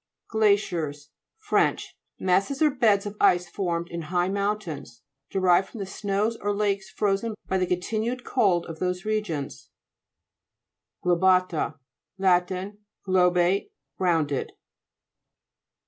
GIA'CIERS Fr. Masses or beds of ice formed in high mountains, de rived from the snows or lakes frozen by the continued cold of those re gions (p. 150). GLOBA'TA. Lat. Globate, rounded.